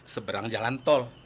seberang jalan tol